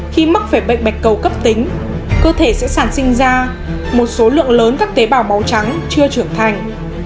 khi mắc về bệnh bạch cầu cấp tính cơ thể sẽ sản sinh ra một số lượng lớn các tế bào màu trắng chưa trưởng thành